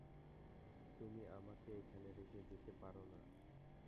তুমি আমাকে এখানে রেখে যেতে পারো না।